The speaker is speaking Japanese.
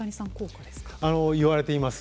言われています。